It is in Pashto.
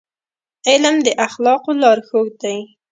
علم د اخلاقو لارښود دی.